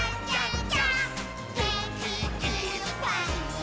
「げんきいっぱいもっと」